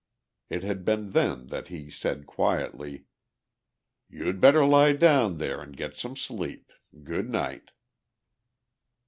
It had been then that he said quietly: "You'd better lie down there and get some sleep. Good night."